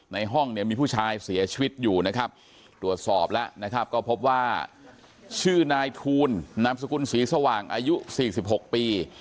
ในห้องเนี่ยมีผู้ชายเสียชีวิตอยู่นะครับตรวจสอบแล้วนะครับก็พบว่าชื่อนายทูลนามสกุลศรีสว่างอายุ๔๖ปี